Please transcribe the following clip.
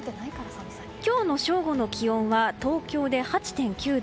今日の正午の気温は東京で８．９度。